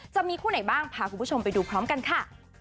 จะมีคู่ไหนบ้างพาคุณผู้ชมไปดูพร้อมกันค่ะ